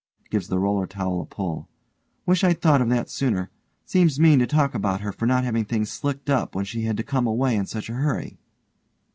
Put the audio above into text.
(gives the roller towel a pull) Wish I'd thought of that sooner. Seems mean to talk about her for not having things slicked up when she had to come away in such a hurry.